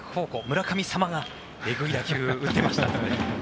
村神様がえぐい打球が出てました。